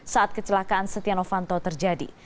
saat kecelakaan setianofanto terjadi